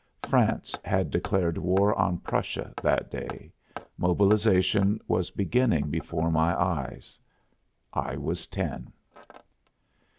France had declared war on Prussia that day. Mobilization was beginning before my eyes. I was ten.